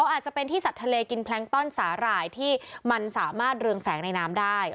อาจจะเป็นที่สัตว์ทะเลกินแพลงต้อนสาหร่ายที่มันสามารถเรืองแสงในน้ำได้